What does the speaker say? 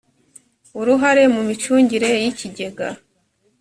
uruhare mu micungire y ikigega